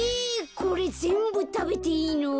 これぜんぶたべていいの？